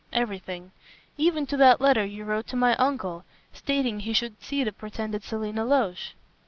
"Everything, even to that letter you wrote to my uncle, stating he should see the pretended Selina Loach."